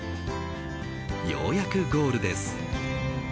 ようやくゴールです。